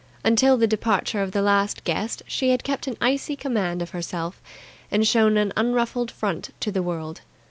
Until the departure of the last guest she had kept an icy command of herself and shown an unruffled front to the world.